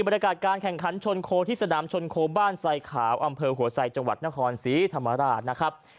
บรรยากาศการแข่งขันชนโคที่สนามชนโคบ้านไซขาวอำเภอหัวไซจังหวัดนครศรีธรรมราชนะครับ